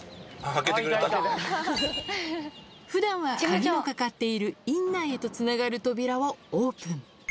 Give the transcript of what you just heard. ふだんは鍵のかかっている、院内へとつながる扉をオープン。